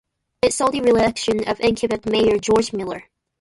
It saw the reelection of incumbent mayor George Miller.